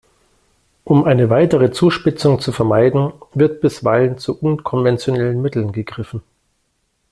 Um eine weitere Zuspitzung zu vermeiden, wird bisweilen zu unkonventionellen Mitteln gegriffen.